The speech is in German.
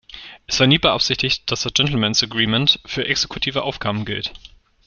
Es war nie beabsichtigt, dass das Gentlemen's Agreement für exekutive Aufgaben gilt.